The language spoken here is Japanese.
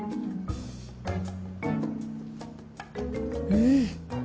うん！